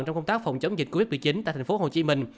trong công tác phòng chống dịch covid một mươi chín tại tp hcm